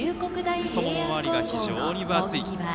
太もも周りが非常に分厚い。